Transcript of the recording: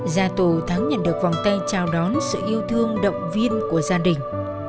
già tù thắng nhận được vòng tay chào đón sự yêu thương động viên của gia đình